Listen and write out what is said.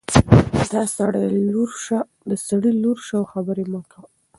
د سړي لور شه او خبرې مه کوه.